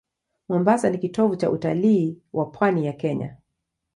Mombasa ni kitovu cha utalii wa pwani ya Kenya.